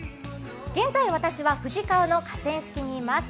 現在私は富士川の河川敷にいます。